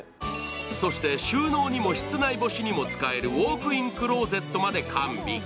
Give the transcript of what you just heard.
そして、収納にも室内干しにも使えるウォークインクローゼットまで完備。